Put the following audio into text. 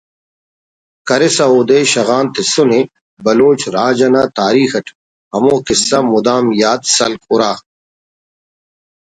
کرسا اودے شغان تسنے بلوچ راج انا تاریخ اٹ ہمو کسہ مدام یات سلک ہرا